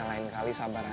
ya lain kali sabar aja